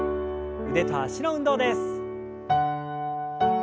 腕と脚の運動です。